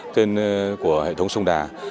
tên của hệ thống sông đà